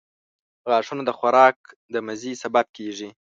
• غاښونه د خوراک د مزې سبب کیږي.